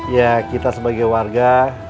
ya kita sebagai warga